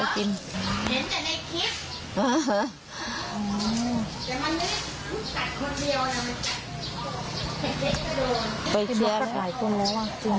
กัดหลายคน